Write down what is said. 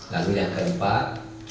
lalu yang keempat